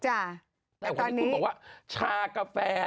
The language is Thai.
แต่วันนี้คุณบอกว่าชากาแฟ